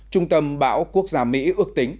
trung tâm bão quốc gia mỹ ước tính